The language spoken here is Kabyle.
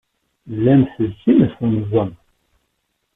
Llan ttezzin, ttennḍen.